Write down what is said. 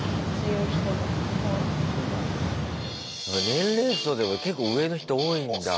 年齢層でも結構上の人多いんだ。